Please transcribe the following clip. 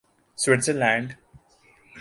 Switzer land